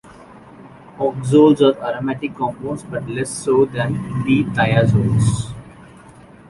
Oxazoles are aromatic compounds but less so than the thiazoles.